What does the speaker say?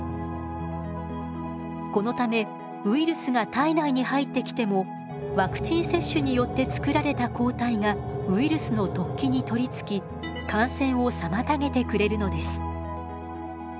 このためウイルスが体内に入ってきてもワクチン接種によってつくられた抗体がウイルスの突起に取りつき感染を妨げてくれるのです。